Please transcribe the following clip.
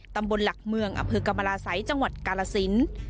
ตำบลหลักเมืองอกศจังหวัดกาลสิน